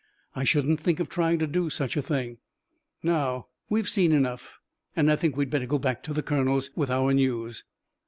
"I shouldn't think of trying to do such a thing. Now, we've seen enough, and I think we'd better go back to the colonels, with our news."